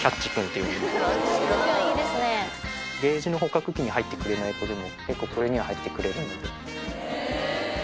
ケージの捕獲器に入ってくれない子でも、結構、これには入ってくれるので。